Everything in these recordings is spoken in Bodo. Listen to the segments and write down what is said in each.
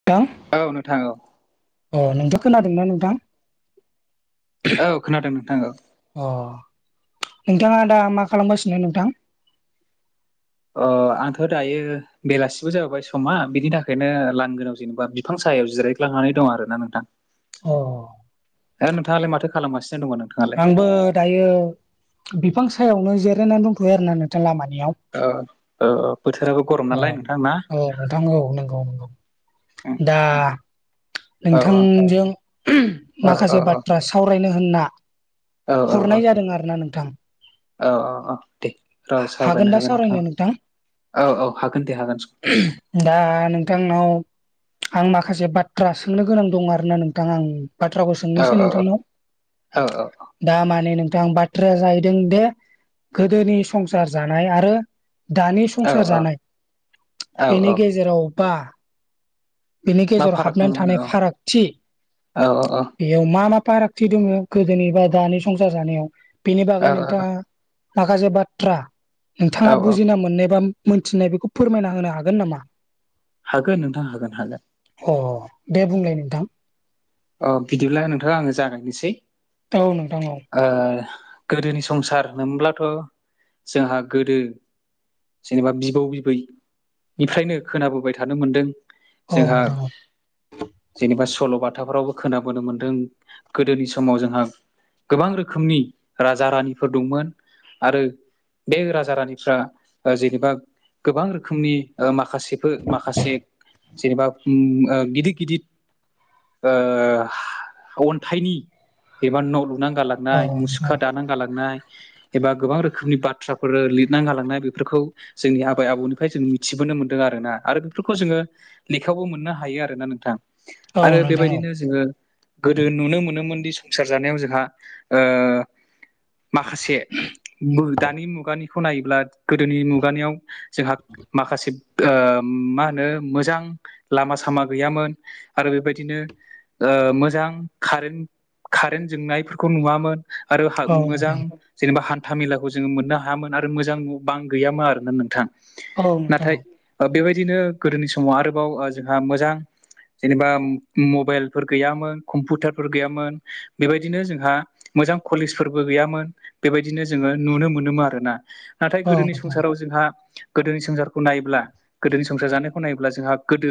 [unintelligible] औ नोंथां औ। अ नोंथ' खोनादोंना नोंथां? औ खोनादों नोंथां औ। अ नोंथाङा दा मा खालामगासिनो नोंथां? अ आंथ' दायो बेलासिबो जाबाय समा बिनि थाखायनो लांगोनायाव जेनेबा बिफां सायाव जिराय [unintelligible] दं आरोना नोंथां। अ दा नोंथाङालाय माथो खालामगासिनो दङ नों आंबो दायो बिफां सायावनो जिरायनानै दंथ'यो आरोना नोंथां लामानियाव ओ ओ बोथोराबो गरम अ नालाय नोंथांना औ नोंथां औ नंगौ नंगौ दा औ नोंथांजों औ माखासे बाथ्रा सावरायनो होनना औ औ औ हरनाय जादों आरोना नोंथां औ औ औ दे दा सावरायनो हागोन नोंथाङा औ औ हागोन दे हागोन स दा नोंथांनाव आं माखासे बाथ्रा सोंनो गोनां दं आरोना नोंथां आं बाथ्राखौ औ सोंनोसै औ नोंथांनाव। औ दा माने नोंथां बाथ्राया जाहैदों दे गोदोनि संसार जानाय आरो दानि औ संसार जानाय औ औ बेनि गेजेराव बा बेनि मा गेजेराव फाराग दं हाबनानै नोंनो थानाय फारागथि औ औ बेयाव मा मा पारागथि दोङो गोदोनि बा दानि संसार जानायाव बेनि बागै औ औ नोंथाङा माखासे बाथ्रा औ नोंथाङा औ बुजिना मोननाय बा मोनथिनाय बेखौ फोरमायना होनो हागोन नामा? हागोन नोंथां हागोन हागोन। अ दे बुंलाय नोंथां अ बिदिब्ला नोंथाङा आङो जागायनोसै औ नोंथां औ ओ गोदोनि संसार मोनब्लाथ' जोंहा गोदो जेनेबा बिबौ बिबैनिफ्रायनो खोनाबोबाय थानो मोनदों औ जोंहा नोंथां औ जेनेबा सल' बाथ खोथाफ्रावबो खोनाबोनो मोन्दों गोदोनि समाव जोंहा गोबां रोखोमनि राजा रानिफोर दंमोन आरो बे राजा रानिफ्रा ओ जेनेबा गोबां रोखोमनि ओ माखासेफोर माखासे जेनेबा ओम गिदिर गिदिर ओ अन्थाइनि एबा न' लुनानै गालां नाय औ मुसुखा दाना गालांनाय एबा गोबां रोखोमनि बाथ्राफोर लिरना गालांनाय बेफोरखौ जोंनि आबै आबौनिफ्राय जों मिथिबोनो मोन्दों आरोना आरो बेफोरखौ जोङो लेखायावबो मोननो हायो आरोना नोंथां औ नोंथां औ आरो नोंथां औ नोंथां औ बेबायदिनो जोङो गोदो नुनो मोनोमोनदि संसार जानायाव जोंहा ओ माखासे मु दानि मुगानिखौ नायोब्ला गोदोनि मुगानियाव जोंहा माखासे ओ मा होनो मोजां लामा सामा गैयामोन आरो बेबायदिनो ओ मोजां कारेन्ट कारेन्ट जोंनायफोरखौ नुवामोन आरो हाग मोजां जेनेबा हान्था मेलाखौ जोङो मोननो हायामोन आरो मोजां बां गैयामोन आरोना नोंथां नाथाय ओ बेबायदिनो गोदोनि समाव आरोबाव ओ जोंहा मोजां जेनेबा मबाइलफोर गैयामोन कम्पुटारफोर गैयामोन बेबायदिनो जोंहा मोजां कलेजफोरबो गैयामोन बेबायदिनो जोङो नुनो मोनोमोन आरोना नाथाय औ गोदोनि नोंथां संसाराव जोंहा गोदोनि संसारखौ नायोब्ला गोदोनि संसार जानायखौ नायोब्ला जोंहा गोदो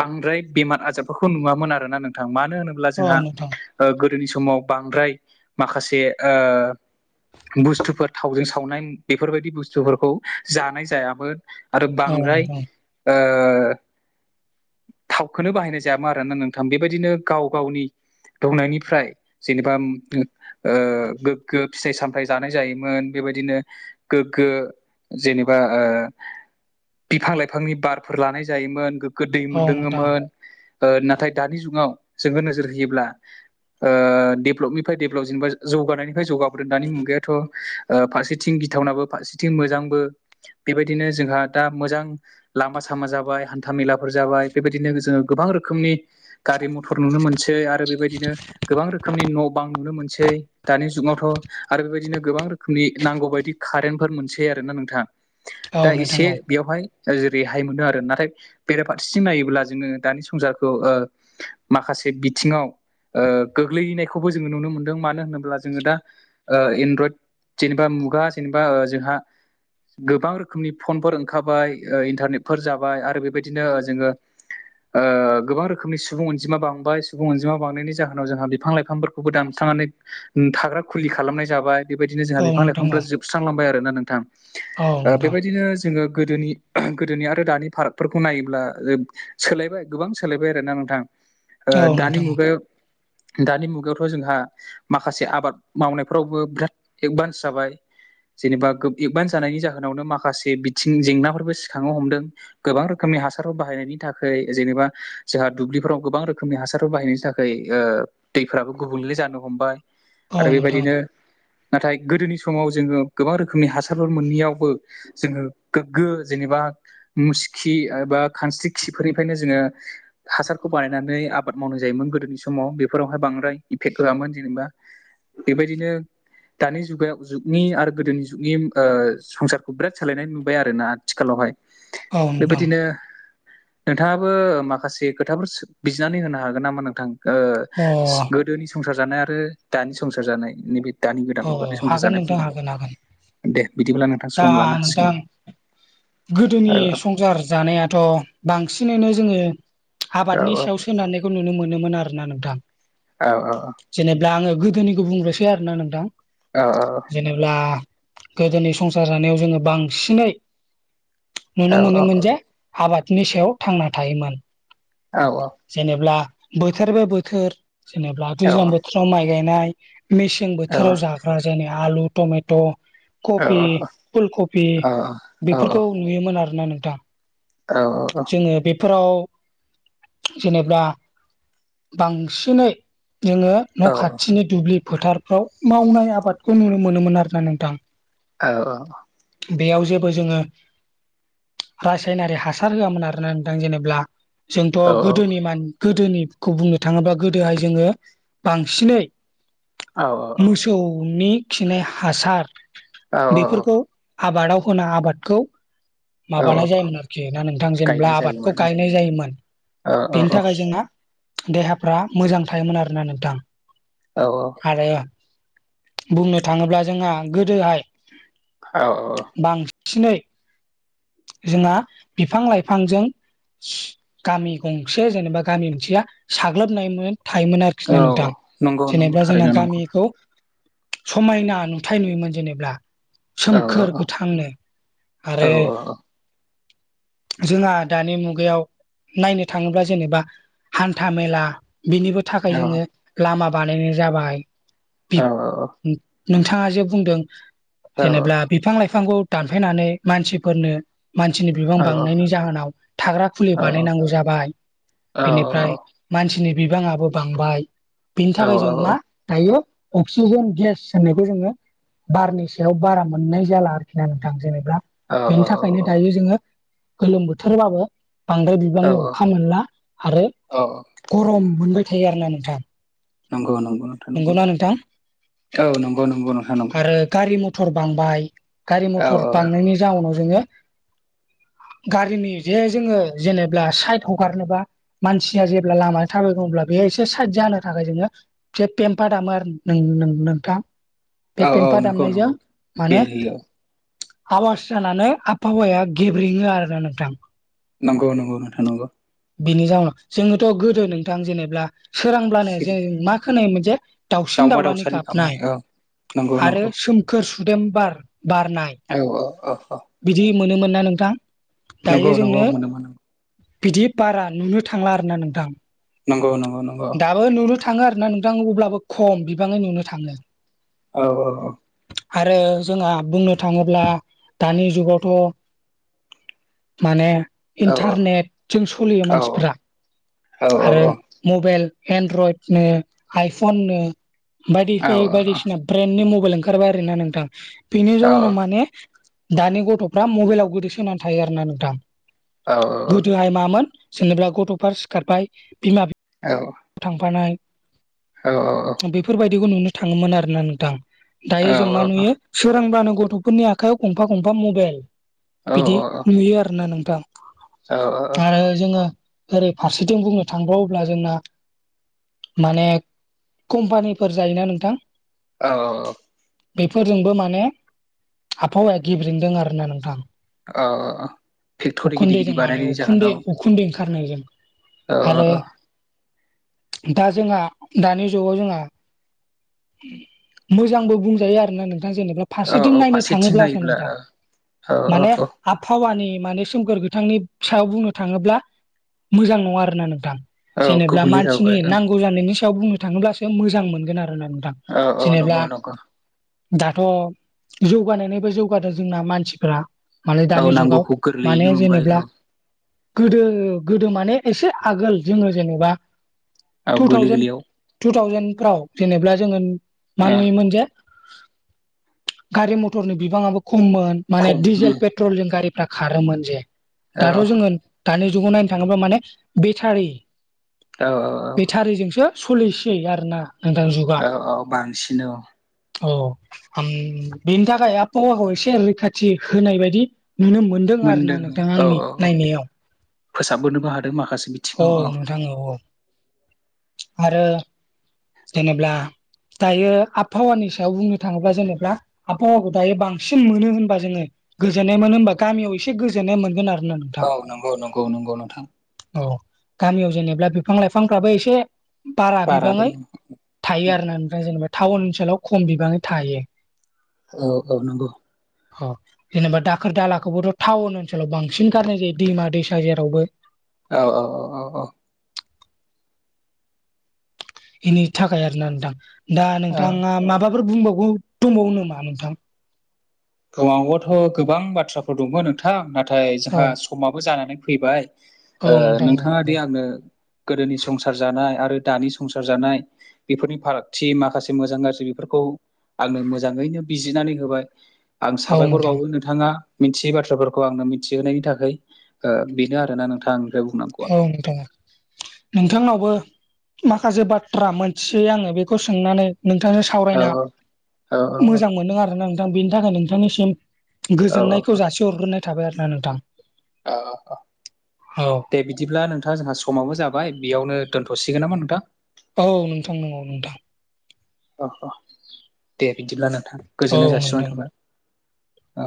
बांद्राय बेमार आजारफोरखौ नुवामोन आरोना नोंथां मानो होनोब्ला औ जोंहा नोंथां औ ओ गोदोनि समाव बांद्राय माखासे ओ बुस्थुफोर थावजों सावनाय बेफोरबायदि बुस्थुफोरखौ जानाय जायामोन आरो बांद्राय ओ थावखोनो बाहायनाय जायामोन आरो ना नोंथां बेबायदिनो गाव गावनि दंनायनिफ्राय जेनेबा ओ गोग्गो फिथाइ सामथाय जानाय जायोमोन बेबायदिनो गोग्गो जेनेबा ओ बिफां लाइफांनि बारफोर लानाय जायोमोन गोगो दै दोंङोमोन ओ‌ नाथाय दानि जुगाव जोङो नोजोर होयोब्ला ओ‌ डेभेलपनिफ्राय डेभेलप जेनेबा जौगानायनिफ्राय जौगाबोदों दानि मुगायाथ' ओ फारसेथिं गिथावनाबो फारसेथिं मोजांबो बेबायदिनो जोंहा दा मोजां लामा -सामा जाबाय हान्था - मेलाफोर जाबाय। बेबायदिनो जोङो गोबां रोखोमनि गारि मथर नुनो मोनसै आरो बेबायदिनो गोबां रोखोमनि न' बां नुनो मोनसै दानि जुगावथ' आरो बेबायदिनो गोबां रोखोमनि नांगौ बायदि कारेन्टफोर मोनसेै आरोना नोंथा। दा नोंथां औ नोंथां औ नोंथां एसे बेयावहाय जेरैहाय मोनो आरो नाथाय बेराफारसे थिं नायोब्ला जोङो दानि संसारखौ ओ माखासे बिथिङाव ओ गोग्लैहैनायखौबो जोङो नुनो मोन्दों मानो होनोब्ला जोङो दा ओ एनड्रइद जेनेबा मुगा जेनेबा ओ जोंहा गोबां रोखोमनि फनफोर ओंखाराय ओ इन्टारनेटफोर जाबाय आरो बेबायदिनो ओ जोङो [inaudible] ओ गोबां रोखोमनि सुबुं अनजिमा बांबाय सुबुं अनजिमा बांनायनि जाहोनाव जोंहा बिफां लाइफांफोरखौबो दानस्रांनानै थाग्रा खुलि खालामनाय जाबाय बेबायदिनो जोंहा औ औ बिफां नोंथां औ लाइफांफ्रा जोबस्रांलांबाय आरोना नोंथां औ ओ नोंथां बेबायदिनो जोङो गोदोनि गोदोनि आरो दानि फारागफोरखौ नायोब्ला सोलायबाय गोबां सोलायबाय आरोना नोंथां। ओ‌ औ दानि नोंथां मुगायाव दानि मुगायावथ' जोंहा माखासे आबाद मावनायफोरावबो बिराद एदभान्स जाबाय। जेनेबा गो एदभान्स जानायनि जाहोनावनो माखासे बिथिं जेंनाफोरबो सिखांनो हमदों। गोबां रोखोमनि हासाराव बाहायनायनि बिनि थाखाय जेनेबा जोंहा दुब्लिफोराव गोबां रोखोमनि हासारफोर बाहायनायनि थाखाय ओ दैफोराबो गुबुनले जानो हमबाय आरो औ नोंथां बेबायदिनो नाथाय गोदोनि समाव जोङो गोबां रोखोमनि हासारफोर मोनैयावबो जोङो गोग्गो जेनेबा मुसखि एबा खानस्रि खिफोरनिफ्रायनो जोङो हासारखौ बानायनानै आबाद मावनाय जायोमोन गोदोनि समाव बेफोरावहाय बांद्राय इफेक्ट होआमोन जेनेबा बेबायदिनो दानि जुगायाव जुगनि आरो गोदोनि जुगनिओ संसारखौ बिराद सोलायनाय नुबाय आरो ना आथिखालावहाय औ नोंथां बेबायदिनो नोंथाङाबो माखासे खोथाफोर बिजनानै होनो हागोन नामा नोंथां ओ अ गो गोदोनि संसार जानाय आरो दानि संसार जानाय नैबे दानि गोदान अ मुगानि संसार हागोन नोंथां जानायफोरखौ हागोन हागोन दे बिदिब्ला नोंथां। दा सम लानो नोंथां हासिगोन औ गोदोनि संसार जानायाथ' बांसिनैनो जोङो औ आबादनि सायाव सोनारनायखौ नुनो मोनोमोन आरोना नोंथां। औ- औ- औ। जेनेबा आङो गोदोनिखौ बुंग्रोनोसै आरोना नोंथां। औ -औ। जेनेबा गोदोनि संसार जानायाव जोङो बांसिनै औ नुनो मोनोमोन जे आबादनि सायाव थांना थायोमोन। औ -औ। औ जेनेब्ला बोथोर बे बोथोर जेनेब्ला दैज्लां बोथोराव माइ गायनाय मेसें बोथोराव जाग्रा जेनै आलु, टमेट' औ कपि, फुल कपि बेफोरखौ नुयोमोन आरोना नोंथां। औ -औ। आङो बेफोराव जेनेब्ला बांसिनै जोङो न' खाथिनि दुब्लि फोथारफ्राव मावनाय आबादखौ नुनो मोनोमोन आरो ना नोंथां। औ औ बेयाव जेबो जोङो रासायनारि हासार सार होआमोन आरोना नोंथां जेनेब्ला जोंथ' गोदोनि मान गोदोनिखौ बुंनो थाङोबा गोदोहाय जोङो बांसिनै औ औ औ सौनि खिनाय हासार औ बेफोरखौ आबादाव होना आबादखौ औ माबानाय औ जायोमोन आरोखि बिगा नोंथां जेनेब्ला गायनाय आबादखौ जायोमोन गायनाय जायोमोन औ औ बेनि औ थाखाय जोंना देहाफ्रा मोजां थायोमोन आरोना नोंथां औ -औ। आरो बुंनो थाङोब्ला जोंहा गोदोहाय औ -औ। बांसिनै जोंहा बिफां -लाइफांजों गामि गंसे जेनेबा गामि गंसेया साग्लोबनायमोन थायोमोन आरो। औ खिना नोथां नंगौ नंगौ जेनेबा जोंना थारैनो नंगौ गामिखौ समायना नुथाय नुयोमोन जेनेब्ला औ सोमखोर गोथांनो औ आरो जोंहा दानि मुगायाव नायनो थाङोब्ला जेनेबा हान्था मेला बेनिबो थाखाय औ जोङो लामा बानायनाय जाबाय औ नोंथाङा जे बुंदों जेनेब्ला बिफां लाइफांखौ दानफायनानै मानसिफोरनो मानसिनि बिबां बांनायनि जाहोनाव थाग्रा खुलि बानायनांगौ जाबाय बेनिफ्राय मानसिनि बिबाङाबो बांबाय बिनि औ थाखाय जोङो मा दायो अक्सिजेन गेस होननायखौ जोङो बारनि सायाव बारा मोननाय जाला आरोखि ना नोंथां जेनेबा औ अ बेनि औ थाखायनो औ दायो जोङो गोलोम बोथोरबाबो बांद्राय बिबांनि अखा मोनला आरो औ गरम मोनबाय थायो आरो ना नोंथां नंगौ नंगौ नंगौ नोंथांं नंगौ नंगौना नोंथां औ नंगौ नंगौ नोंथां नंगौ आरो गारि मथर बांबाय गारि औ मथर बांनायनि जाउनाव जोङो गारिनि जे जोङो जेनेबा साइद हगारनोबा मानसिया जेब्ला लामाया थाबायग्लाङो अब्ला बेयो एसे साइद जानो थाखाय जोङो जे पेम्पा दामो आरो नों नों नोंथां बे औ औ पम्फा नंगौ दामनायजों नंगौ माने बेल होयो आवास जानानै आबहावाया गेब्रेङो आरोना नोंथां नंगौ नंगौ नंगौ नोंथां नंगौ बिनि जाउनाव जोङोथ' गोदो नोंथां जेनेब्ला सोरांब्लानो जों सिरि मा खोनायो मोनसे दाउसिन दाउमा दाउलानि दाउसानि गाबनाय औ नंगौ आरो नंगौ सोमखोर सुदेम बार बारनाय औ औ औ औ बिदि मोनोमोन ना नोंथां नंगौ दायो नंगौ जोंनो मोनोमोन बिदि बारा नुनो थांला आरोना नोंथां नंगौ नंगौ नंगौ ओ नुनो थाङो आरो ना नोंथां अब्लाबो खम बिबाङै नुनो थाङो औ औ औ आरो जोंहा बुंनो थाङोब्ला दानि जुगावथ' माने औ औ इन्टारनेटजों सलियो औ मानसिफ्रा आरो मबाइल एनड्रइड नो आइफन बायदि बाय बायदिसिना ब्रेन्डनि मबाइल ओंखारबाय आरोना नोंथां बेनि औ जाउनाव माने दानि गथ'फ्रा मबाइलाव गोदोसोनानै थायो आरोना नोंथां गोदोहाय मामोन जेनोबा गथ'फ्रा सिखारबाय बिमा बिफा औ। थांफानाय औ। बेफोरबायदिखौ नुनो थाङोमोन आरोना नोंथां। दायो जों मा नुयो सोरांब्लानो गथ'फोरनि आखाइयाव गंफा गंफा मबाइल औ बिदि नुयो आरोना नोंथां। आरो जोङो ओरै फारसेथिं बुंनो थांबावोब्ला जोंना माने कम्पानिफोर जायोना नोंथां। औ औ औ बेफोरजोंबो माने आबहावाया गेब्रेंदों आरोना नोंथां फेक्ट'रि गिदिर गिदिर उखुन्दैजों माने बानायनायनि उखुन्दै उखुन्दै ओंखारनायजों ओ आरो ओ दा जोंहा दानि जुगाव जोंहा मोजांबो बुंजायो आरो ना नोंथां जेनेबा औ फारसेथिं नायनो फारसेथिं थाङोब्लासो नायोब्ला नोंथां औ माने आबहावानि माने सोमखोर बिथांनिफ सायाव बुंनो थाङोब्ला मोजां नङा आरोना नोंथां। औ जेनेबा गुबुंले मानसिनि जाबाय नांगौ जानायनि सायाव बुंनो थाङोब्लासो मोजां मोनगोन आरोना नोंथां। औ औ जेनेब्ला नंगौ नंगौ दाथ' जौगानायनिबो जौगादों जोंना मानसिफ्रा। माले औ दानि जुगाव नांगौखौ गोरलैयैनो माने मोनबाय जानेब्ला औ गोदो गोदो माने एसे आगोल जोङो जेनबा औ टु गोरलै थावजेन- गोरलैयाव टु थावजेनफ्राव जानेब्ला जोङो मा नुयोमोनजे गारि मथरनि बिबाङाबो खममोन माने खम डिजेल पेट ट्रलिं गारिफ्रा खारोमोन जे औ दाथ' जोङो दानि जुगाव नायनो थाङोब्ला माने बेटारि औ औ। बेथारिजोंसो सोलिसै आरो ना नोंथां जुग औ औ बांसिन औ। औ। हाम बेनि थाखाय आबहावाखौ एसे रैखाथि होनाय बायदि नुनो मोन दों आरो ना मोनदों नोंथाङा औ आंनि औ नायनायाव। फोसाबबोनोबो हादों माखासे बि औ नोंथां औ औ। आरो जेनेब्ला दायो आबहावानि सायाव बुंनो थाङोब्ला जेनेब्ला आबहावाखौ दायो बांसिन मोनो होनबा जोङो गोजोननाय मोनो होनबा गामियाव एसे गोजोननाय मोनगोन आरोन ना। औ नंगौ नंगौ नंगौ नोंथां। औ गामियाव जेनेब्ला बिफां-लाइफांफ्राबो एसे बारा बिबाङै थायो आरोना ओमफ्राय जेनेबा टाउन ओनसोलाव खम बिबाङै थायो। औ औ नंगौ। ह जेनेबा दाखोर दालाखौबोथ' टाउन ओनसोलाव बांसिन गारनाय जायो दैमा दैसा जेरावबो। औ औ औ औ औ। बेनि थाखाय आर ना नोंथां दा औ नोंथाङा माबाफोर बुंबावगौ दंबावो नामा नोंथां। गौवांबोथ' गोबां बाथ्राफोर दंमोन नोंथां नाथाय औ जोंहा समाबो जानानै फैबाय। औ ओ नोंथां औ नोंथाङा दि आंनो गोदोनि संसार जानाय आरो दानि संसार जानाय बेफोरनि फारागथि माखासे मोजां गाज्रि बेफोरखौ आंनो मोजाङैनो बिजिरनानै होबाय। आं औ साबायखर नोंथां बावो नों नोंथाङा मिथियै बाथ्राफोरखौ आंनो मिथिहोनायनि थाखाय ओ बेनो आरोना नोंथां। बुंनांगौआ औ नोंथां औ। नोंथांनावबो माखासे बाथ्रा मोनथियै आङो बेखौ सोंनानै नोंथांजों औ सावरायना औ मोजां मोनो आरो ना नोंथां बेनि थाखाय नोंथांनिसिम औ गोजोननायखौ जासिहरग्रोनाय थाबाय आरो ना नोंथां। ओ ओ ओ, औ दे बिदिब्ला नोंथां जोंहा समावबो जाबाय बेयावनो दोनथ'सिगोन नामा नोंथां? औ नोंथां नंगौ नोंथां। अ अ, दे बिदिब्ला नोंथां औ गोजोननाय जासि नोंथां। हरनाय थाबाय। ओ।